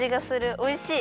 おいしい！